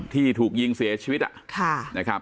ที่ถูกยิงเสียชีวิตอะ